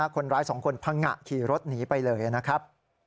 คนร้ายสองคนพังงะขี่รถหนีไปเลยนะครับ